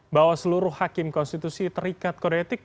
bahwa seluruh hakim konstitusi terikat koreatik